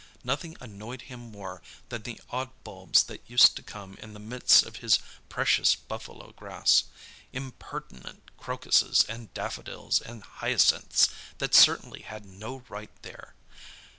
Nothing annoyed him more than the odd bulbs that used to come up in the midst of his precious buffalo grass; impertinent crocuses and daffodils and hyacinths, that certainly had no right there.